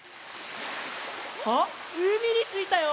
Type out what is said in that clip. あっうみについたよ！